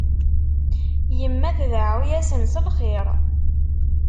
Yemma tdeɛɛu-asen s lxir.